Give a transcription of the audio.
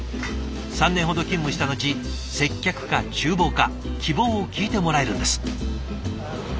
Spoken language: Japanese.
３年ほど勤務したのち接客かちゅう房か希望を聞いてもらえるんです。